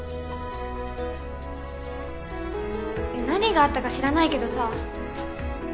何があったか知らないけどさ。